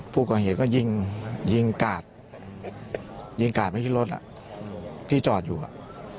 ผู้ก่อเหตุก็ยิงยิงกาดยิงกาดไว้ที่รถอ่ะที่จอดอยู่อ่ะ